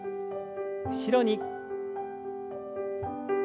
後ろに。